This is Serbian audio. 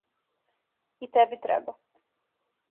И теби треба.